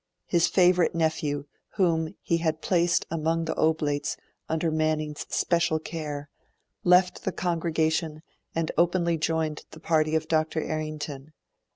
His favourite nephew, whom he had placed among the Oblates under Manning's special care, left the congregation and openly joined the party of Dr. Errington.